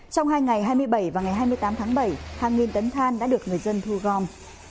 trong hai ngày hai mươi bảy và ngày hai mươi tám tháng bảy hàng nghìn tấn than đã được người dân thu gom